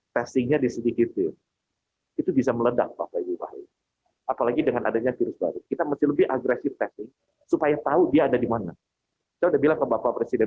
saya sudah bilang ke bapak presiden